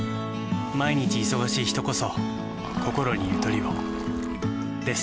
毎日忙しい人こそこころにゆとりをです。